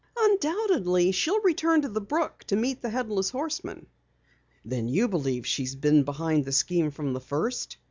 "Undoubtedly she'll return to the brook to meet the Headless Horseman." "Then you believe she's been behind the scheme from the first?"